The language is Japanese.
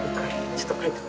ちょっと書いとこ。